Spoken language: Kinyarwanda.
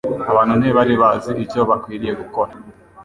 Abantu ntibari bazi icyo bakwiriye gukora,